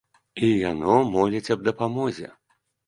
І яно моліць аб дапамозе.